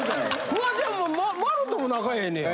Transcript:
フワちゃんも丸とも仲ええねや。